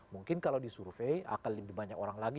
mungkin kalau disurvey akan lebih banyak orang lagi